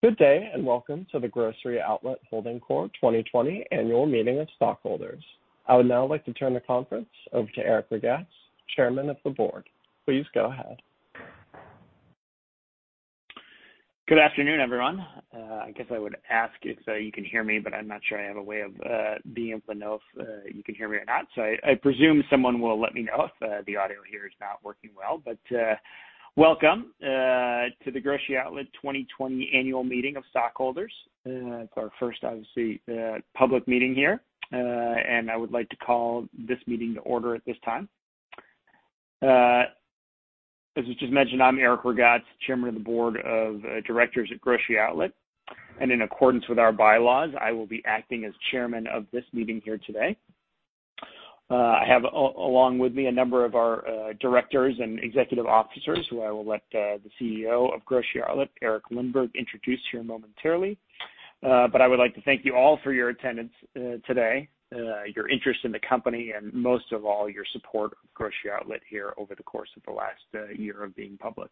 Good day, and welcome to the Grocery Outlet Holding Corp. 2020 Annual Meeting of Stockholders. I would now like to turn the conference over to Erik Ragatz, Chairman of the Board. Please go ahead. Good afternoon, everyone. I guess I would ask if you can hear me, but I'm not sure I have a way of being able to know if you can hear me or not. I presume someone will let me know if the audio here is not working well. Welcome to the Grocery Outlet 2020 Annual Meeting of Stockholders. It's our first, obviously, public meeting here. I would like to call this meeting to order at this time. As was just mentioned, I'm Erik Ragatz, Chairman of the Board of Directors at Grocery Outlet, and in accordance with our bylaws, I will be acting as chairman of this meeting here today. I have along with me a number of our directors and executive officers who I will let the CEO of Grocery Outlet, Eric Lindberg, introduce here momentarily. I would like to thank you all for your attendance today, your interest in the company, and most of all, your support of Grocery Outlet here over the course of the last year of being public.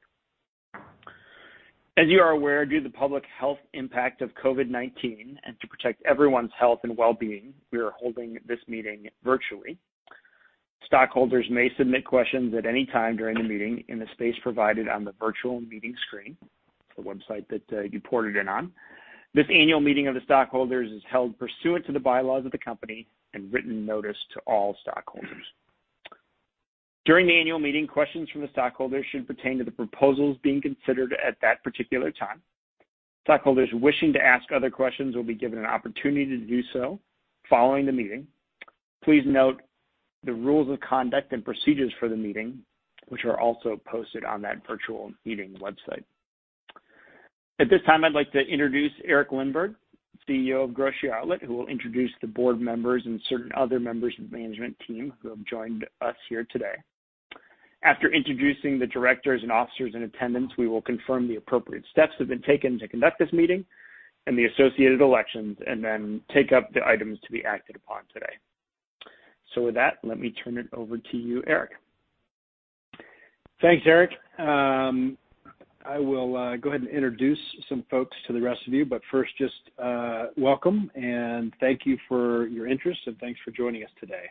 As you are aware, due to the public health impact of COVID-19 and to protect everyone's health and wellbeing, we are holding this meeting virtually. Stockholders may submit questions at any time during the meeting in the space provided on the virtual meeting screen, the website that you ported in on. This annual meeting of the stockholders is held pursuant to the bylaws of the company and written notice to all stockholders. During the annual meeting, questions from the stockholders should pertain to the proposals being considered at that particular time. Stockholders wishing to ask other questions will be given an opportunity to do so following the meeting. Please note the rules of conduct and procedures for the meeting, which are also posted on that virtual meeting website. At this time, I'd like to introduce Eric Lindberg, CEO of Grocery Outlet, who will introduce the board members and certain other members of the management team who have joined us here today. After introducing the directors and officers in attendance, we will confirm the appropriate steps have been taken to conduct this meeting and the associated elections, and then take up the items to be acted upon today. With that, let me turn it over to you, Eric. Thanks, Eric. I will go ahead and introduce some folks to the rest of you, but first, just welcome and thank you for your interest and thanks for joining us today.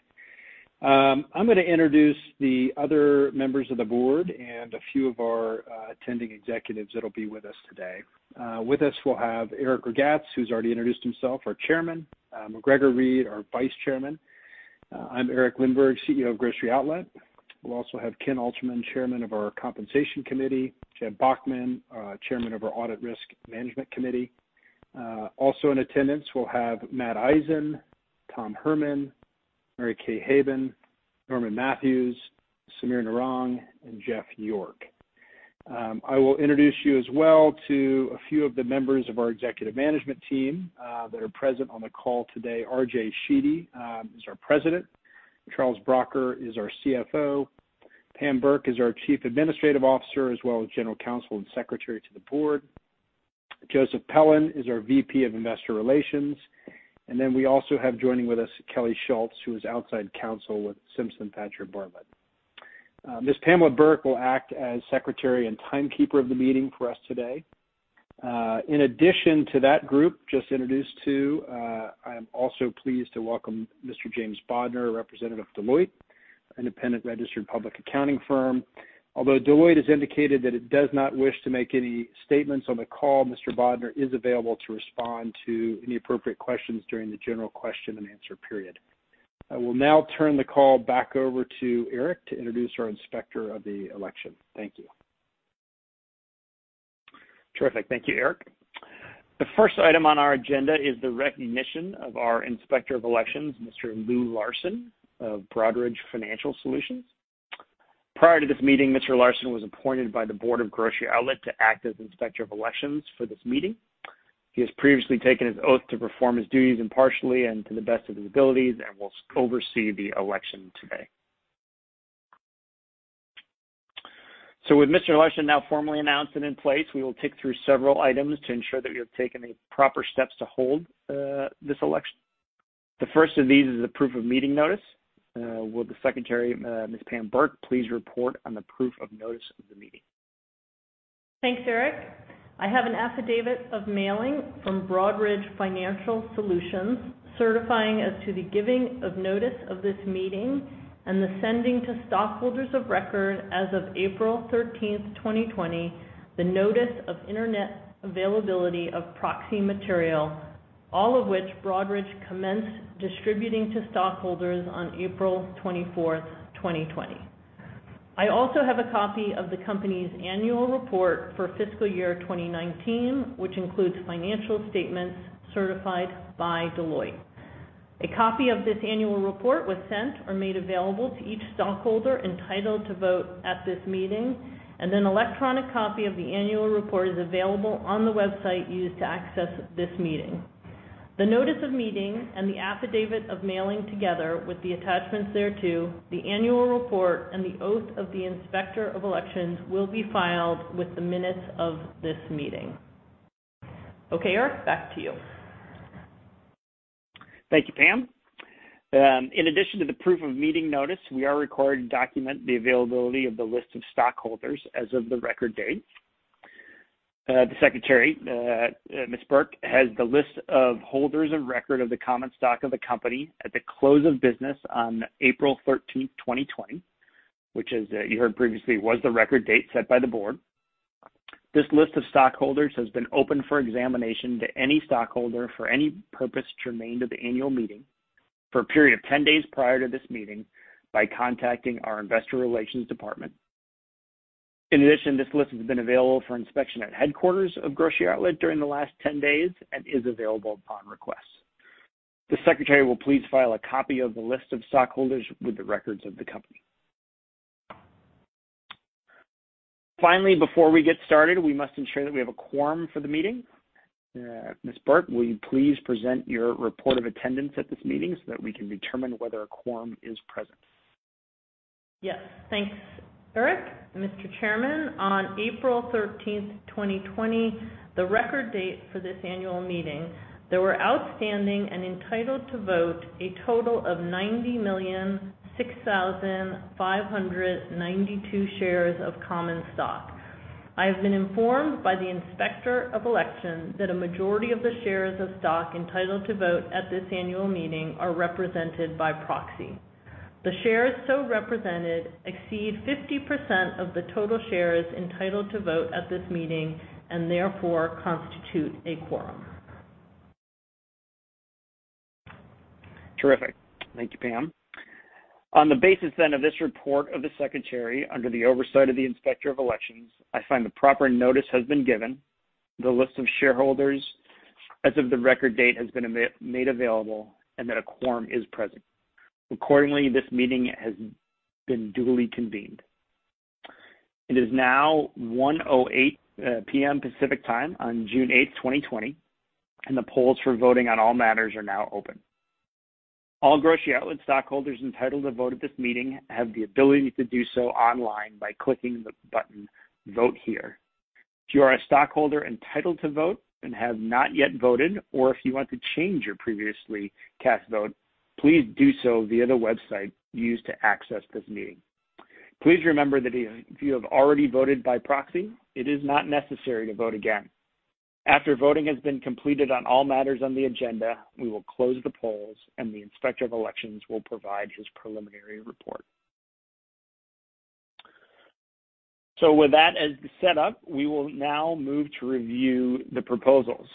I'm going to introduce the other members of the board and a few of our attending executives that'll be with us today. With us, we'll have Erik Ragatz, who's already introduced himself, our Chairman. MacGregor Read, our Vice Chairman. I'm Eric Lindberg, CEO of Grocery Outlet. We'll also have Ken Alterman, Chairman of our Compensation Committee, Jeb Bachman, Chairman of our Audit Risk Management Committee. Also in attendance, we'll have Matt Eisen, Tom Herman, Mary Kay Haben, Norman Matthews, Sameer Narang, and Jeff York. I will introduce you as well to a few of the members of our executive management team that are present on the call today. RJ Sheedy is our President. Charles Bracher is our CFO. Pamela Burke is our Chief Administrative Officer, as well as General Counsel and Secretary to the Board. Joseph Pelland is our VP of Investor Relations. We also have joining with us Kevin Schultz, who is outside counsel with Simpson Thacher & Bartlett. Ms. Pamela Burke will act as secretary and timekeeper of the meeting for us today. In addition to that group just introduced to, I'm also pleased to welcome Mr. James Bodner, a representative of Deloitte, an independent registered public accounting firm. Although Deloitte has indicated that it does not wish to make any statements on the call, Mr. Bodner is available to respond to any appropriate questions during the general question and answer period. I will now turn the call back over to Erik to introduce our Inspector of the Election. Thank you. Terrific. Thank you, Erik. The first item on our agenda is the recognition of our Inspector of Elections, Mr. Lew Larson of Broadridge Financial Solutions. Prior to this meeting, Mr. Larson was appointed by the board of Grocery Outlet to act as Inspector of Elections for this meeting. He has previously taken his oath to perform his duties impartially and to the best of his abilities and will oversee the election today. With Mr. Larson now formally announced and in place, we will tick through several items to ensure that we have taken the proper steps to hold this election. The first of these is the proof of meeting notice. Will the secretary, Ms. Pamela Burke, please report on the proof of notice of the meeting? Thanks, Erik. I have an affidavit of mailing from Broadridge Financial Solutions certifying as to the giving of notice of this meeting and the sending to stockholders of record as of April 13th, 2020, the notice of internet availability of proxy material, all of which Broadridge commenced distributing to stockholders on April 24th, 2020. I also have a copy of the company's annual report for fiscal year 2019, which includes financial statements certified by Deloitte. A copy of this annual report was sent or made available to each stockholder entitled to vote at this meeting, an electronic copy of the annual report is available on the website used to access this meeting. The notice of meeting and the affidavit of mailing together with the attachments thereto, the annual report, and the oath of the Inspector of Elections will be filed with the minutes of this meeting. Okay, Erik, back to you. Thank you, Pamela. In addition to the proof of meeting notice, we are required to document the availability of the list of stockholders as of the record date. The secretary, Ms. Burke, has the list of holders of record of the common stock of the company at the close of business on April 13, 2020, which, as you heard previously, was the record date set by the board. This list of stockholders has been open for examination to any stockholder for any purpose germane to the annual meeting for a period of 10 days prior to this meeting by contacting our investor relations department. In addition, this list has been available for inspection at headquarters of Grocery Outlet during the last 10 days and is available upon request. The secretary will please file a copy of the list of stockholders with the records of the company. Finally, before we get started, we must ensure that we have a quorum for the meeting. Ms. Burke, will you please present your report of attendance at this meeting so that we can determine whether a quorum is present? Yes. Thanks, Erik. Mr. Chairman, on April 13, 2020, the record date for this annual meeting, there were outstanding and entitled to vote a total of 90,006,592 shares of common stock. I have been informed by the Inspector of Elections that a majority of the shares of stock entitled to vote at this annual meeting are represented by proxy. The shares so represented exceed 50% of the total shares entitled to vote at this meeting and therefore constitute a quorum. Terrific. Thank you, Pamela. On the basis then of this report of the Secretary, under the oversight of the Inspector of Elections, I find the proper notice has been given, the list of shareholders as of the record date has been made available, and that a quorum is present. Accordingly, this meeting has been duly convened. It is now 1:08 P.M. Pacific Time on June 8, 2020, and the polls for voting on all matters are now open. All Grocery Outlet stockholders entitled to vote at this meeting have the ability to do so online by clicking the button, Vote Here. If you are a stockholder entitled to vote and have not yet voted, or if you want to change your previously cast vote, please do so via the website used to access this meeting. Please remember that if you have already voted by proxy, it is not necessary to vote again. After voting has been completed on all matters on the agenda, we will close the polls, and the Inspector of Elections will provide his preliminary report. With that as the setup, we will now move to review the proposals.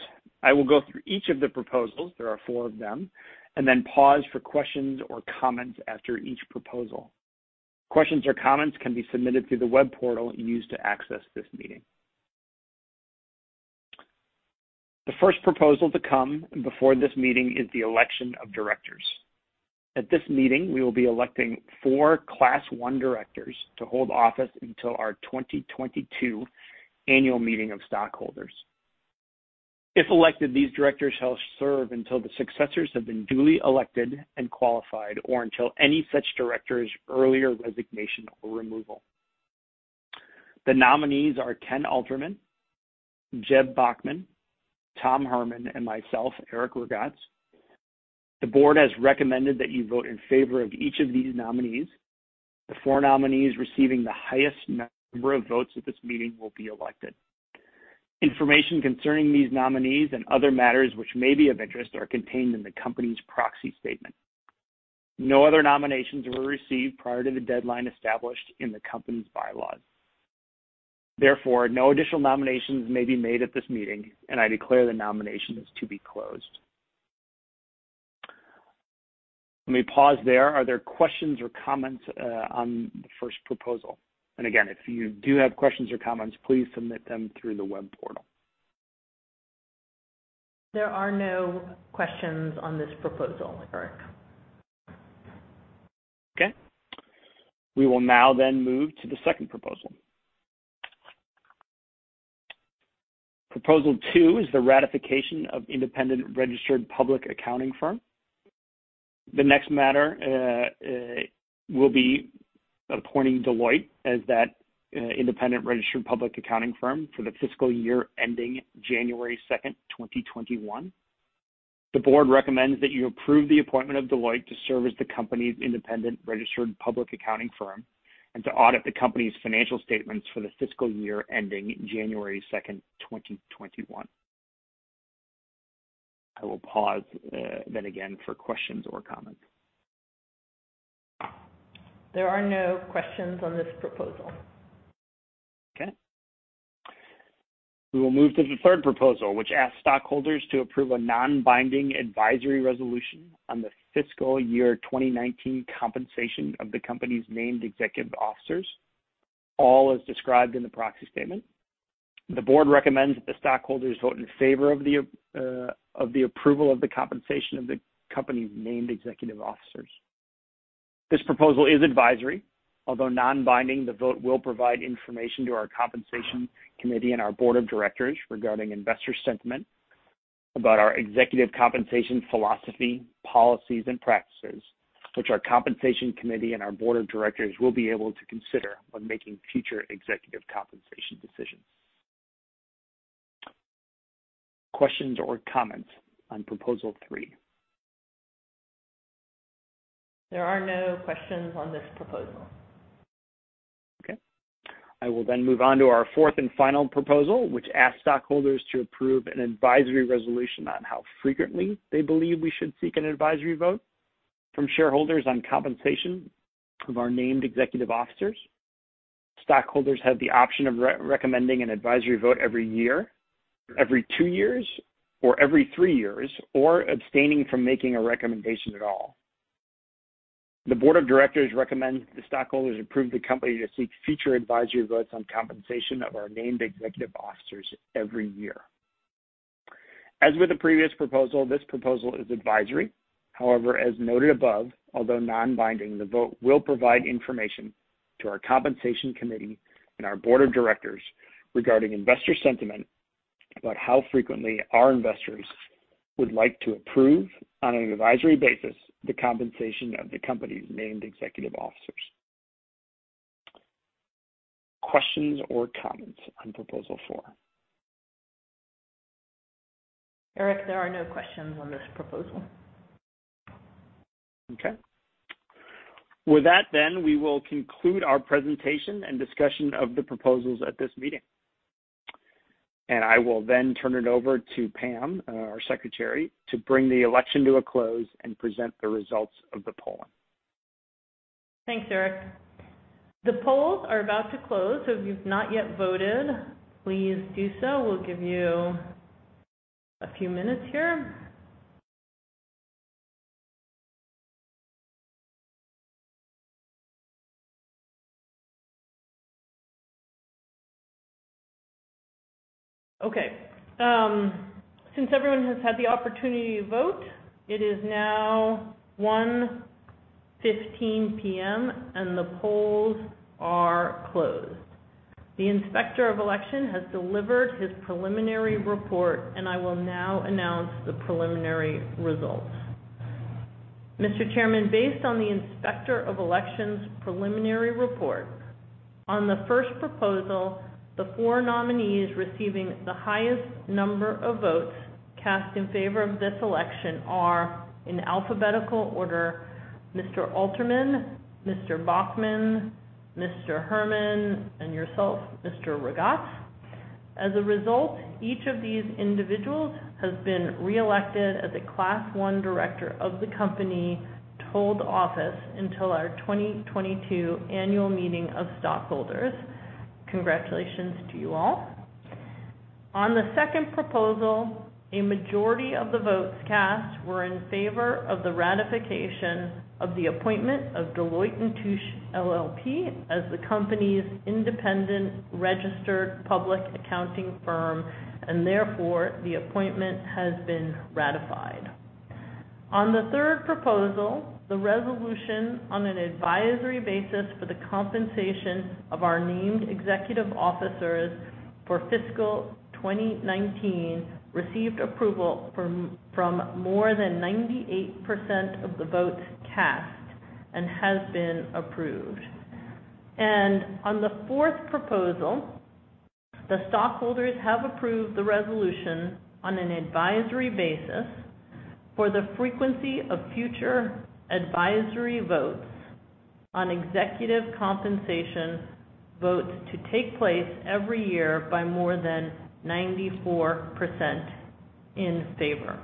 I will go through each of the proposals, there are four of them, and then pause for questions or comments after each proposal. Questions or comments can be submitted through the web portal used to access this meeting. The first proposal to come before this meeting is the election of directors. At this meeting, we will be electing four Class 1 Directors to hold office until our 2022 annual meeting of stockholders. If elected, these directors shall serve until the successors have been duly elected and qualified, or until any such director's earlier resignation or removal. The nominees are Ken Alterman, Jeb Bachman, Tom Herman, and myself, Erik Ragatz. The board has recommended that you vote in favor of each of these nominees. The four nominees receiving the highest number of votes at this meeting will be elected. Information concerning these nominees and other matters which may be of interest are contained in the company's proxy statement. No other nominations were received prior to the deadline established in the company's bylaws. No additional nominations may be made at this meeting, and I declare the nominations to be closed. Let me pause there. Are there questions or comments on the first proposal? Again, if you do have questions or comments, please submit them through the web portal. There are no questions on this proposal, Erik. Okay. We will now then move to the second proposal. Proposal two is the ratification of independent registered public accounting firm. The next matter will be appointing Deloitte as that independent registered public accounting firm for the fiscal year ending January 2nd, 2021. The board recommends that you approve the appointment of Deloitte to serve as the company's independent registered public accounting firm and to audit the company's financial statements for the fiscal year ending January 2nd, 2021. I will pause then again for questions or comments. There are no questions on this proposal. Okay. We will move to the third proposal, which asks stockholders to approve a non-binding advisory resolution on the fiscal year 2019 compensation of the company's named executive officers, all as described in the proxy statement. The Board recommends that the stockholders vote in favor of the approval of the compensation of the company's named executive officers. This proposal is advisory. Although non-binding, the vote will provide information to our Compensation Committee and our Board of Directors regarding investor sentiment about our executive compensation philosophy, policies, and practices, which our Compensation Committee and our Board of Directors will be able to consider when making future executive compensation decisions. Questions or comments on proposal three? There are no questions on this proposal. Okay. I will move on to our fourth and final proposal, which asks stockholders to approve an advisory resolution on how frequently they believe we should seek an advisory vote from shareholders on compensation of our named executive officers. Stockholders have the option of recommending an advisory vote every year, every two years, or every three years, or abstaining from making a recommendation at all. The board of directors recommends the stockholders approve the company to seek future advisory votes on compensation of our named executive officers every year. As with the previous proposal, this proposal is advisory. As noted above, although non-binding, the vote will provide information to our compensation committee and our board of directors regarding investor sentiment about how frequently our investors would like to approve, on an advisory basis, the compensation of the company's named executive officers. Questions or comments on proposal four? Erik, there are no questions on this proposal. Okay. With that, we will conclude our presentation and discussion of the proposals at this meeting. I will then turn it over to Pamela, our Secretary, to bring the election to a close and present the results of the polling. Thanks, Erik. The polls are about to close. If you've not yet voted, please do so. We'll give you a few minutes here. Okay. Since everyone has had the opportunity to vote, it is now 1:15 P.M. and the polls are closed. The inspector of election has delivered his preliminary report, and I will now announce the preliminary results. Mr. Chairman, based on the inspector of election's preliminary report, on the first proposal, the four nominees receiving the highest number of votes cast in favor of this election are, in alphabetical order, Mr. Alterman, Mr. Bachman, Mr. Herman, and yourself, Mr. Ragatz. As a result, each of these individuals has been reelected as a Class 1 Director of the company to hold office until our 2022 annual meeting of stockholders. Congratulations to you all. On the second proposal, a majority of the votes cast were in favor of the ratification of the appointment of Deloitte & Touche LLP as the company's independent registered public accounting firm, and therefore, the appointment has been ratified. On the third proposal, the resolution on an advisory basis for the compensation of our named executive officers for fiscal 2019 received approval from more than 98% of the votes cast and has been approved. On the fourth proposal, the stockholders have approved the resolution on an advisory basis for the frequency of future advisory votes on executive compensation votes to take place every year by more than 94% in favor.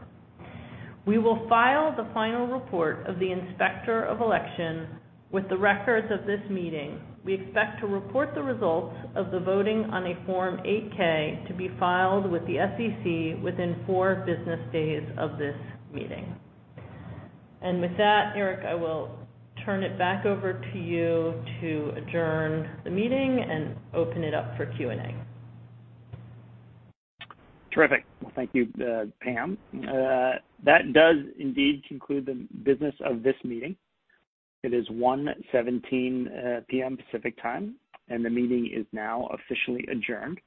We will file the final report of the inspector of election with the records of this meeting. We expect to report the results of the voting on a Form 8-K to be filed with the SEC within four business days of this meeting. With that, Erik, I will turn it back over to you to adjourn the meeting and open it up for Q&A. Terrific. Thank you, Pamela. That does indeed conclude the business of this meeting. It is 1:17 P.M. Pacific Time, and the meeting is now officially adjourned.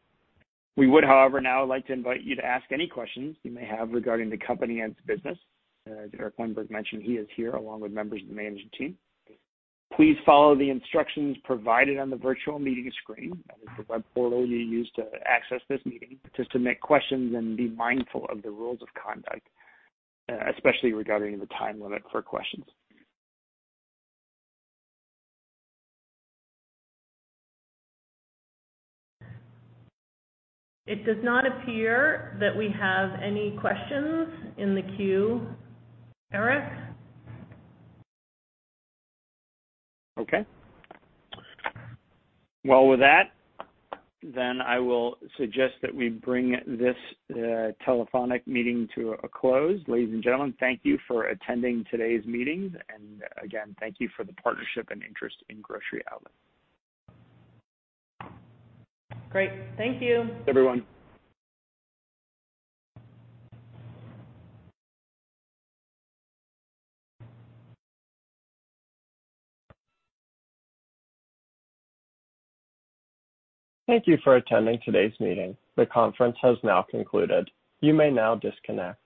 We would, however, now like to invite you to ask any questions you may have regarding the company and its business. As Eric Lindberg mentioned, he is here along with members of the management team. Please follow the instructions provided on the virtual meeting screen, that is the web portal you used to access this meeting, to submit questions and be mindful of the rules of conduct, especially regarding the time limit for questions. It does not appear that we have any questions in the queue, Erik. Okay. Well, with that, I will suggest that we bring this telephonic meeting to a close. Ladies and gentlemen, thank you for attending today's meeting, and again, thank you for the partnership and interest in Grocery Outlet. Great. Thank you. Thanks, everyone. Thank you for attending today's meeting. The conference has now concluded. You may now disconnect.